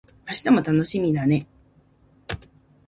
明日も楽しみだね